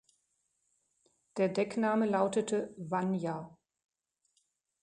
Der Deckname lautete "Wanja".